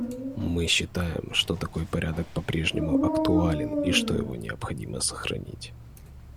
Мы считаем, что такой порядок по-прежнему актуален и что его необходимо сохранить.